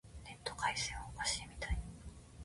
ネット回線がおかしいみたい。